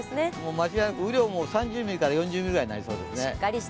間違いなく、雨量も３０ミリから４０ミリくらいになりそうですね。